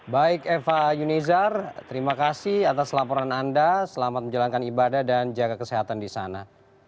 baik eva yunizar terima kasih atas laporan anda selamat menjalankan ibadah dan jaga kesehatan di sana